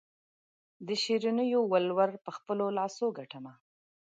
د شیرینو ولور په خپلو لاسو ګټمه.